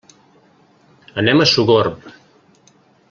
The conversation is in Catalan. Anem a Sogorb.